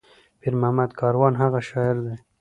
پير محمد کاروان هغه شاعر دى